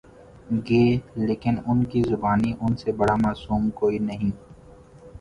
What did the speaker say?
گے لیکن ان کی زبانی ان سے بڑا معصوم کوئی نہیں۔